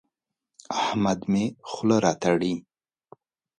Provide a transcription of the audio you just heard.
احمد مې خوله راتړي.